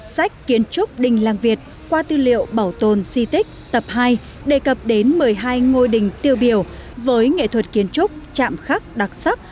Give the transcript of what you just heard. sách kiến trúc đình làng việt qua tư liệu bảo tồn di tích tập hai đề cập đến một mươi hai ngôi đình tiêu biểu với nghệ thuật kiến trúc chạm khắc đặc sắc